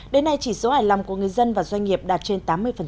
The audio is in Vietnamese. đến nay chỉ số hài lòng của người dân và doanh nghiệp đạt trên tám mươi